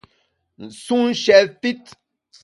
Sun shèt fit.